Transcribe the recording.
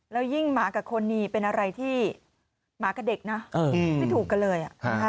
แล้วยิ่งหมากับคนนี้เป็นอะไรที่หมากับเด็กนะไม่ถูกกันเลย